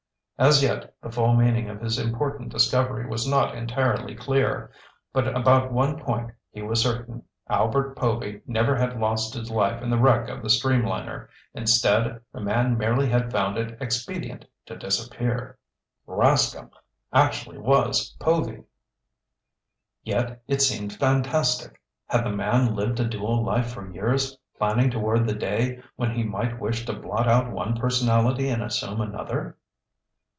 As yet, the full meaning of his important discovery was not entirely clear. But about one point he was certain. Albert Povy never had lost his life in the wreck of the streamliner. Instead, the man merely had found it expedient to disappear. Rascomb actually was Povy! Yet, it seemed fantastic. Had the man lived a dual life for years, planning toward the day when he might wish to blot out one personality and assume another?